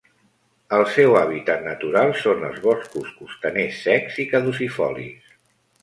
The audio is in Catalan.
El seu hàbitat natural són els boscos costaners secs i caducifolis.